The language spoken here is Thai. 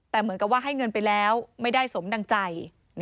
แต่เหมือนกับว่าให้เงินไปแล้วไม่ได้สมดังใจ